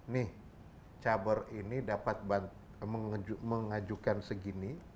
nih cabar ini dapat mengajukan segini